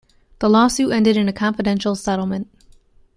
The lawsuit ended in a confidential settlement.